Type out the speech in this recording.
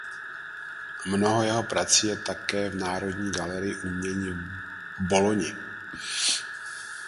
Mnoho jeho prací je také v Národní galerii umění v Bologni.